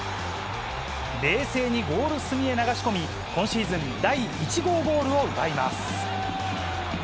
冷静にゴール隅へ流し込み今シーズン第１号ゴールを奪います。